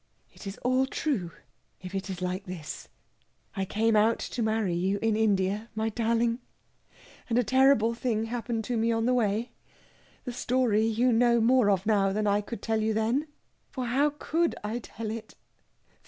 "It is all true if it is like this. I came out to marry you in India ... my darling!... and a terrible thing happened to me on the way ... the story you know more of now than I could tell you then ... for how could I tell it